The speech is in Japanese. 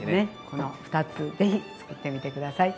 この２つ是非つくってみて下さい。